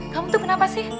kamu tuh kenapa sih